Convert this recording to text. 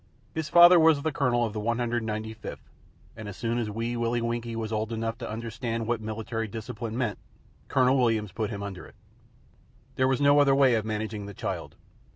His father was the Colonel of the 195th, and as soon as Wee Willie Winkie was old enough to understand what Military Discipline meant, Colonel Williams put him under it. There was no other way of managing the child.